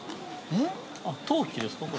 ◆陶器ですか、これ。